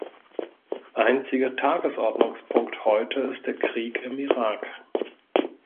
Einziger Tagesordnungspunkt heute ist der Krieg im Irak.